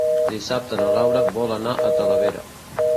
Dissabte na Laura vol anar a Talavera.